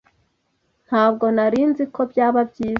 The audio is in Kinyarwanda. Ntabwo nari nzi ko byaba byiza.